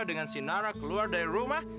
dengan si nara keluar dari rumah